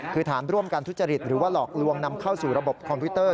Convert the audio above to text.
คือฐานร่วมกันทุจริตหรือว่าหลอกลวงนำเข้าสู่ระบบคอมพิวเตอร์